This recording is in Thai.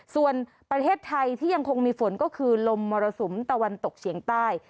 ส่วนประเทศไทยที่ยังคงมีฝนก็คือลมมรสุมตะวันตกเฉียงใต้